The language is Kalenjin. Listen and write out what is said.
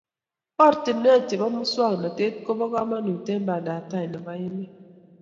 ortinwek chebo muswoknotet kubo komonut eng bantabtai nebo emet